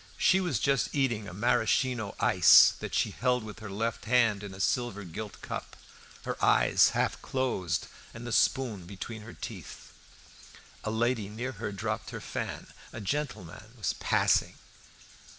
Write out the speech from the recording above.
She was just eating a maraschino ice that she held with her left hand in a silver gilt cup, her eyes half closed, and the spoon between her teeth. A lady near her dropped her fan. A gentlemen was passing.